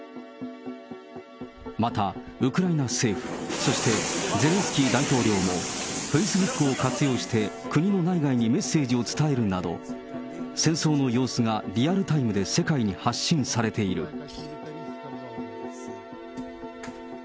また、ウクライナ政府、そしてゼレンスキー大統領も、フェイスブックを活用して、国の内外にメッセージを伝えるなど、戦争の様子がリアルタイムで世界に発信されている。